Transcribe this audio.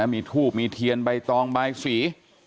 มีทูบมีเทียนใบตองบายสี